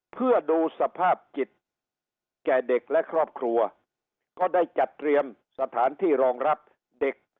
เพื่อดูสภาพจิตแก่เด็กและครอบครัวก็ได้จัดเตรียมสถานที่รองรับเด็ก